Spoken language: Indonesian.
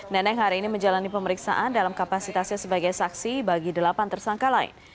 neneng hari ini menjalani pemeriksaan dalam kapasitasnya sebagai saksi bagi delapan tersangka lain